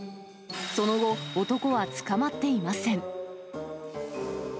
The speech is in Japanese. その後、男は捕まっていません。